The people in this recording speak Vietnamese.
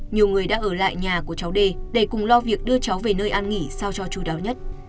nhiều người đã ở lại nhà của cháu đê để cùng lo việc đưa cháu về nơi an nghỉ sao cho chú đáo nhất